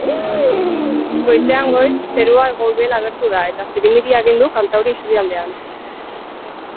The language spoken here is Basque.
Goizean goiz zerua goibel agertu da eta zirimiria egin du kantauri isurialdean.